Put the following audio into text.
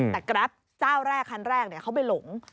แต่แกรปเจ้าแรกคันแรกเขาไปหลง